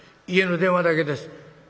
家の電話だけです。